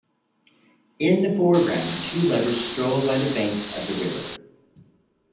In the foreground, two lovers stroll by the banks of the river.